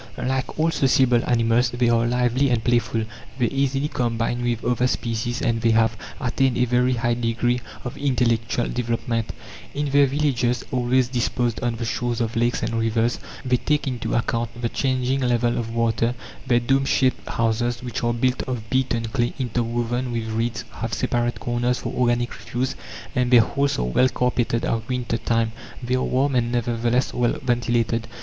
Like all sociable animals, they are lively and playful, they easily combine with other species, and they have attained a very high degree of intellectual development. In their villages, always disposed on the shores of lakes and rivers, they take into account the changing level of water; their domeshaped houses, which are built of beaten clay interwoven with reeds, have separate corners for organic refuse, and their halls are well carpeted at winter time; they are warm, and, nevertheless, well ventilated.